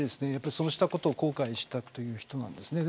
そうしたことを後悔したという人です。